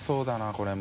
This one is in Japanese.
これも。